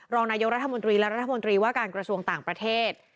รองนายกรัฐมนตรีและรัฐมนตรีว่าการกระทรวงต่างประเทศ